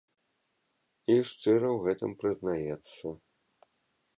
І шчыра ў гэтым прызнаецца.